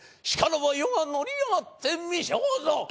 しからば余が乗り上がってみせようぞ。